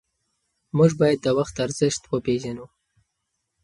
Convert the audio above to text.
موږ باید د وخت ارزښت وپېژنو.